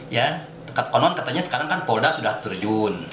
ya dekat konon katanya sekarang kan polda sudah terjun